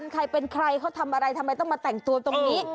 ใครเป็นใครเขาทำอะไรทำไมต้องมาแต่งตัวตรงนี้